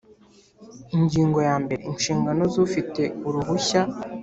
Ingingo ya mbere Inshingano z ufite uruhushya